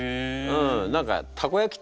何かたこやきって本当